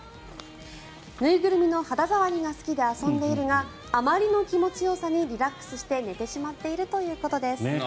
縫いぐるみの肌触りが好きで遊んでいるがあまりの気持ちよさにリラックスして寝てしまっているということです。